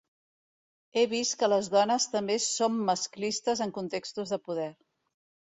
He vist que les dones també som masclistes en contextos de poder.